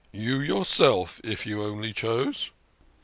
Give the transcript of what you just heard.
" You yourself, if you only chose."